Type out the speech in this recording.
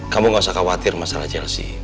kamu gak usah khawatir masalah chelsea